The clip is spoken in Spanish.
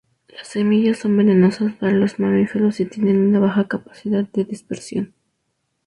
Las semillas son venenosas para los mamíferos y tienen una baja capacidad de dispersión.